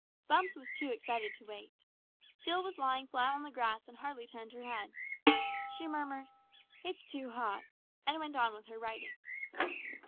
Bumps was too excited to wait. Jill was lying flat on the grass and hardly turned her head. She murmured, "It's too hot," and went on with her writing.